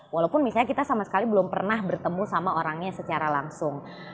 walaupun misalnya kita sama sekali belum pernah bertemu sama orangnya secara langsung